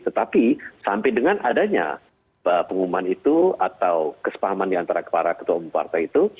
tetapi sampai dengan adanya pengumuman itu atau kesepahaman diantara para ketua umum partai itu